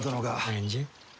何じゃい？